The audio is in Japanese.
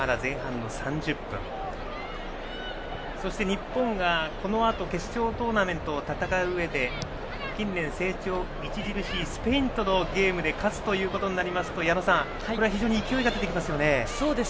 日本がこのあと決勝トーナメントを戦ううえで近年、成長著しいスペインとのゲームで勝つということになりますと矢野さん、これは非常に勢いが出てきますね。